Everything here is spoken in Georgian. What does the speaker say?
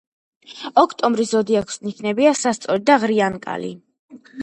ოქტომბრის ზოდიაქოს ნიშნებია სასწორი და ღრიანკალი.